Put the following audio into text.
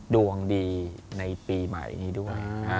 ดวงดีในปีใหม่นี้ด้วย